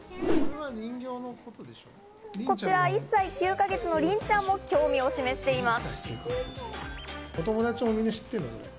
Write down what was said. こちら、１歳９か月のりんちゃんも興味を示しています。